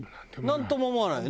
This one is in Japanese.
なんとも思わない。